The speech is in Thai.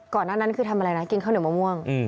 หน้านั้นคือทำอะไรนะกินข้าวเหนียวมะม่วง